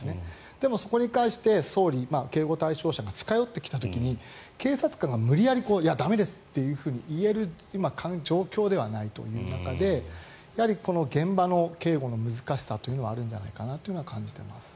でもそこに関して総理警護対象者が近寄ってきた時に警察官が無理やりいや、駄目ですって言える状況ではないという中でこの現場の警護の難しさというのはあるんじゃないかなというのは感じています。